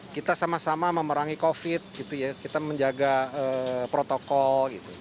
kita sama sama memerangi covid kita menjaga protokol gitu